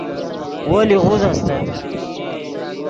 وو لیغوز استت